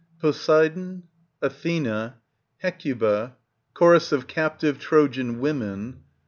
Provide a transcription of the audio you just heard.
Poseidon. Athena. Hecuba. Chorus of Captive Trojan Women.